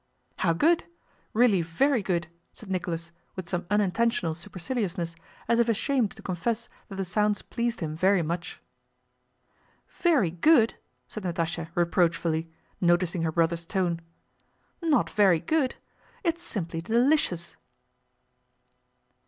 "How good! Really very good!" said Nicholas with some unintentional superciliousness, as if ashamed to confess that the sounds pleased him very much. "Very good?" said Natásha reproachfully, noticing her brother's tone. "Not 'very good' it's simply delicious!"